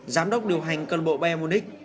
giám đốc điều hành cân bộ bayern munich